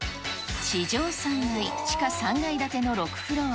地上３階、地下３階建ての６フロア。